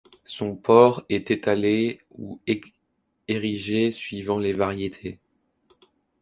Son port est étalé ou érigé suivant les variétés.